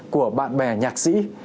của bạn bè nhạc sĩ